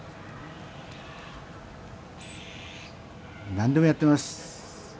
何でもやってます。